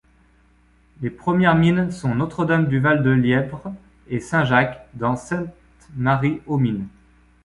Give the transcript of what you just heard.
Les premières mines sont Notre-Dame-du-Val-de-Lièpvre et Saint-Jacques, dans Sainte-Marie-aux-Mines.